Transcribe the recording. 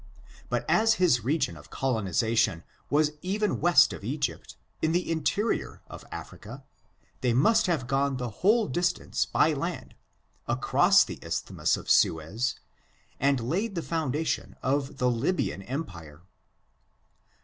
But as his region of coloniza tion was even west of Egypt, in the interior of Afri ca, they must have gone the whole distance by land, across the isthmus of Suez, and laid the foundation of the Lybian empire.